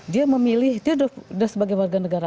dia memilih dia sebagai warga negara